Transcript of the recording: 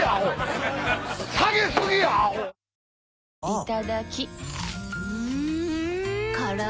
いただきっ！